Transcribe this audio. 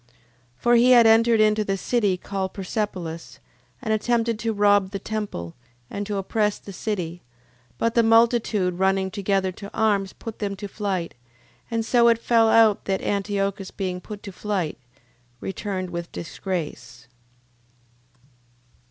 9:2. For he had entered into the city called Persepolis, and attempted to rob the temple, and to oppress the city, but the multitude running together to arms, put them to flight: and so it fell out that Antiochus being put to flight, returned with disgrace.